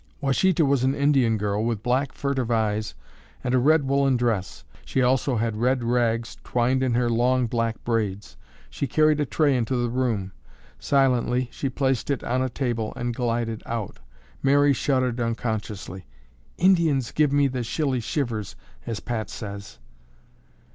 Washita was an Indian girl with black, furtive eyes and a red woolen dress. She also had red rags twined in with her long black braids. She carried a tray into the room. Silently, she placed it on a table and glided out. Mary shuddered unconsciously. "Indians give me the 'shilly shivers' as Pat says."